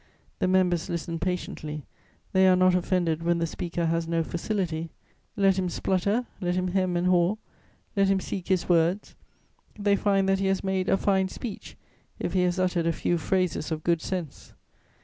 The members listen patiently; they are not offended when the speaker has no facility; let him splutter, let him hem and haw, let him seek his words, they find that he has made "a fine speech" if he has uttered a few phrases of good sense.